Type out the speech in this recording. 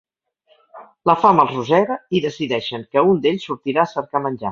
La fam els rosega, i decideixen que un d'ells sortirà a cercar menjar.